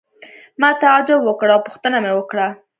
ما تعجب وکړ او پوښتنه مې وکړه.